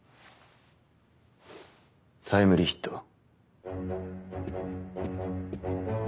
タイムリーヒットを。